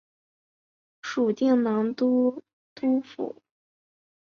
属定襄都督府。